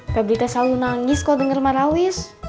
pak brita selalu nangis kok denger marawis